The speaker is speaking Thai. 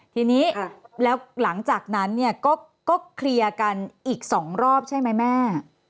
ทีนี้แล้วหลังจากนั้นเนี่ยก็เคลียร์กันอีก๒รอบใช่ไหมแม่